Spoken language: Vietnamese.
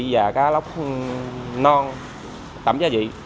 và cá lóc non tẩm gia vị